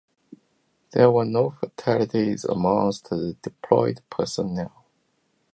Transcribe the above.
There were no fatalities amongst the deployed personnel.